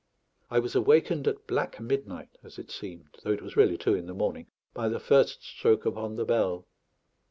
I was awakened at black midnight, as it seemed, though it was really two in the morning, by the first stroke upon the bell.